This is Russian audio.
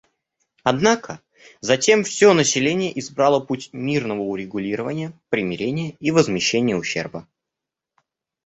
Однако затем все население избрало путь мирного урегулирования, примирения и возмещения ущерба.